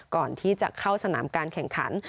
ก่อนที่จะเข้าสนามการแข่งขัน